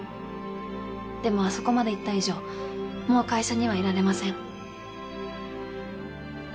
でもあそこまで言った以上もう会社にはいられません。